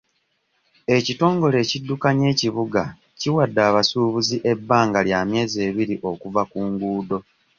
Ekitongole ekiddukanya ekibuga kiwadde abasuubuzi ebbanga lya myezi ebiri okuva ku nguudo.